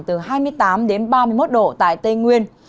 từ hai mươi tám đến ba mươi một độ tại tây nguyên